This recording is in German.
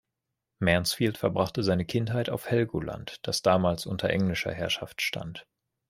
Mansfield verbrachte seine Kindheit auf Helgoland, das damals unter englischer Herrschaft stand.